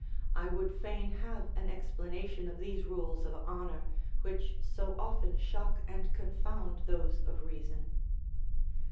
(I would fain have an explanation of these rules of honour, which so often shock and confound those of reason.)